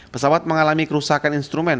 pesawat mengalami kerusakan instrumen